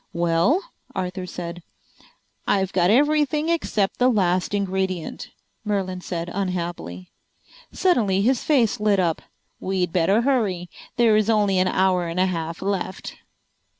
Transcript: "Well?" Arthur said. "I've got everything except the last ingredient," Merlin said unhappily. Suddenly his face lit up. "We'd better hurry. There is only an hour and a half left."